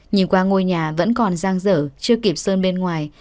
nhìn qua ngôi nhà vẫn còn giang dở chưa kịp sơn bên ngoài